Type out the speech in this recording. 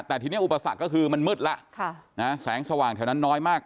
แต่ทีนี้อุปสรรคก็คือมันมืดแล้วแสงสว่างแถวนั้นน้อยมาก